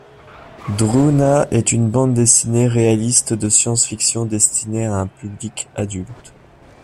Druuna est une bande dessinée réaliste de science-fiction, destinée à un public adulte.